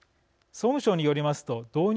総務省によりますと導入